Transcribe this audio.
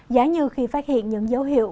giả như khi phát hiện những dấu hiệu